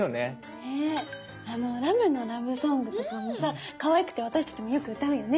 あの「ラムのラブソング」とかもさかわいくて私たちもよく歌うよね。ね。